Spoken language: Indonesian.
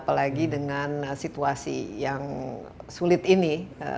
apalagi dengan situasi yang sulit ini